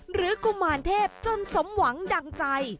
กุมารเทพจนสมหวังดังใจ